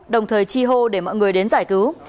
đồng thời chi hô để mọi người đến giải cứu